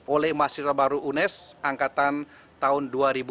oleh mahasiswa baru unes angkatan tahun dua ribu dua puluh